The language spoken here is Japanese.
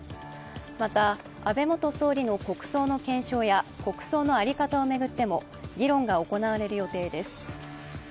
また、安倍元総理の国葬の検証や、国葬の在り方を巡っても議論が行われる予定です。